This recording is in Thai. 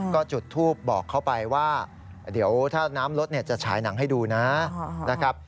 ก็จุดทูปบอกเขาไปว่าเดี๋ยวถ้าน้ำลดจะฉายหนังให้ดูนะครับ